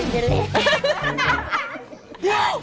เบนเยลล่า